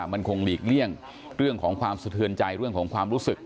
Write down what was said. มันคงหลีกเลี่ยงเรื่องของความสะเทือนใจเรื่องของความรู้สึก